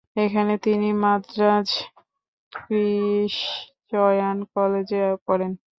এখানে তিনি মাদ্রাজ ক্রিশ্চিয়ান কলেজে পড়েন।